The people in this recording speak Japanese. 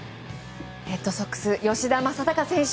レッドソックス吉田正尚選手